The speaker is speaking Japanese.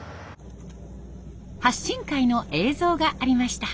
波心会の映像がありました。